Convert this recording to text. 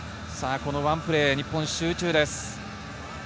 このワンプレー、日本集中です。